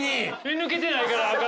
射抜けてないから。